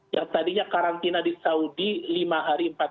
yang tadinya karantina di saudi lima hari empat hari